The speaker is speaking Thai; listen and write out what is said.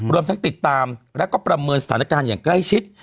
รวมทั้งติดตามแล้วก็ประเมินสถานการณ์อย่างใกล้ชิด